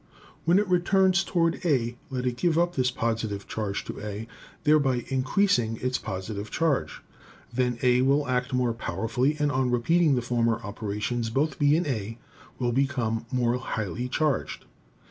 When it returns toward A let it give up this posi tive charge to A, thereby increasing its positive charge. Then A will act more powerfully, and on repeating the former operations both B and A will become more highly charged.